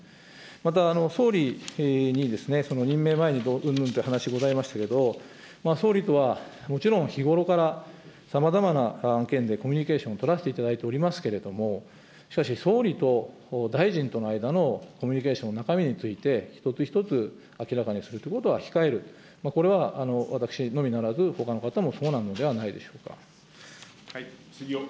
また、総理に任命前にうんぬんという話がございましたけど、総理とはもちろん、日頃から、さまざまな案件でコミュニケーションを取らせていただいておりますけれども、しかし、総理と大臣との間のコミュニケーションの中身について、一つ一つ明らかにするということは控える、これは私のみならず、ほかの方もそうなのではないでしょうか。